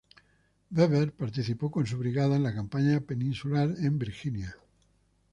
Weber participó con su brigada en la Campaña Peninsular en Virginia.